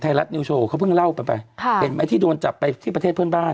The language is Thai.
รัฐนิวโชว์เขาเพิ่งเล่ากันไปค่ะเห็นไหมที่โดนจับไปที่ประเทศเพื่อนบ้าน